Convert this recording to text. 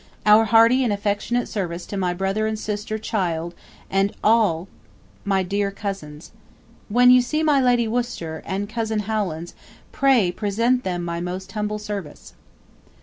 Our harty & affectionate service to my brothr & sistr Childe & all my dear cozens. When you see my Lady Worster & cozen Howlands pray present thm my most humble service.'